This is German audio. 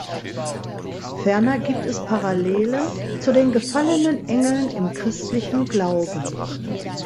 Ferner gibt es Parallelen zu den Gefallenen Engeln im christlichen Glauben.